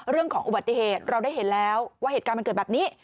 เรื่องของอุบัติเหตุเราได้เห็นแล้วว่าเหตุการณ์มันเกิดแบบนี้